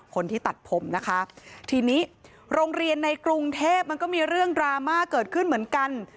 คนที่ตัดผมนะคะทีนี้โรงเรียนในกรุงเทพมันก็มีเรื่องดราม่าเกิดขึ้นเหมือนกัน